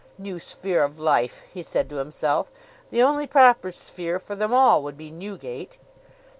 "New sphere of life!" he said to himself. "The only proper sphere for them all would be Newgate!"